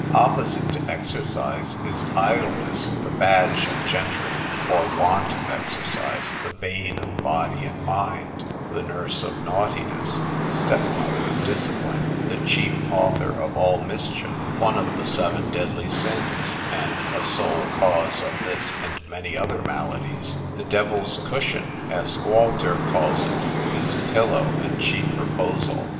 Opposite to exercise is idleness (the badge of gentry) or want of exercise, the bane of body and mind, the nurse of naughtiness, stepmother of discipline, the chief author of all mischief, one of the seven deadly sins, and a sole cause of this and many other maladies, the devil's cushion, as Gualter calls it, his pillow and chief reposal.